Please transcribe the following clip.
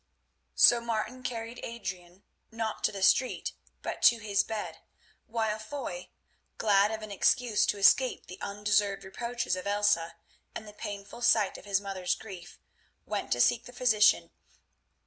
So Martin carried Adrian, not to the street, but to his bed, while Foy, glad of an excuse to escape the undeserved reproaches of Elsa and the painful sight of his mother's grief, went to seek the physician.